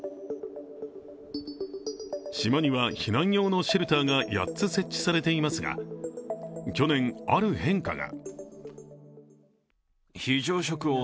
島には避難用のシェルターが８つ設置されていますが、去年、ある変化が。